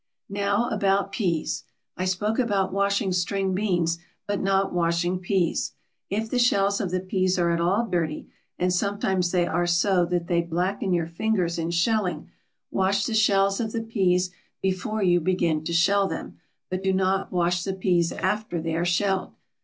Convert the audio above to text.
Now about peas. I spoke about washing string beans but not washing peas. If the shells of the peas are at all dirty, and sometimes they are so that they blacken your fingers in shelling, wash the shells of the peas before you begin to shell them, but do not wash the peas after they are shelled.